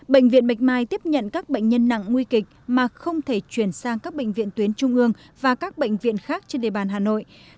bệnh viện bạch mai tiếp nhận các bệnh nhân nặng nguy kịch mà không thể chuyển sang các bệnh viện tuyến trung ương và các bệnh viện khác trên địa bàn hà nội